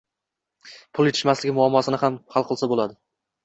pul yetishmasligi muammosini ham hal qilsa bo‘ladi.